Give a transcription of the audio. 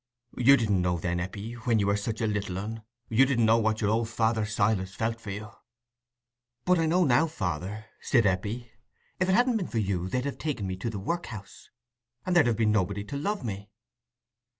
You didn't know then, Eppie, when you were such a little un—you didn't know what your old father Silas felt for you." "But I know now, father," said Eppie. "If it hadn't been for you, they'd have taken me to the workhouse, and there'd have been nobody to love me."